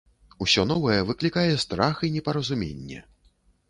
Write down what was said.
Усё новае выклікае страх і непаразуменне.